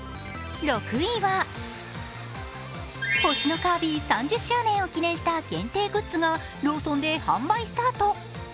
星のカービィ３０周年を記念した限定グッズがローソンで販売スタート。